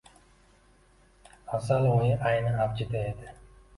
Asal oyi ayni avjida edi